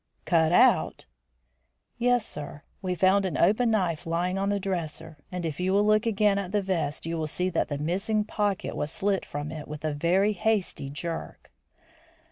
"Cut out!" "Yes, sir; we found an open knife lying on the dresser, and if you will look again at the vest you will see that the missing pocket was slit from it with a very hasty jerk."